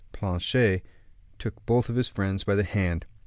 Planchet took both his friends by the hand.